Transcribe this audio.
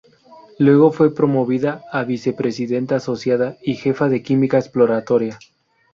Luego fue promovida a vicepresidenta asociada y jefa de química exploratoria.